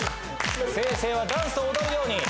星星はダンスを踊るように。